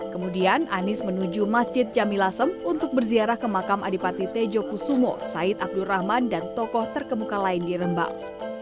kemudian anis menuju masjid jamilasem untuk berziarah ke makam adipati tejokusumo said abdul rahman dan tokoh terkemuka lain di rembang